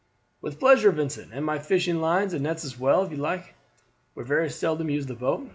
"With pleasure, Vincent; and my fishing lines and nets as well, if you like. We very seldom use the boat.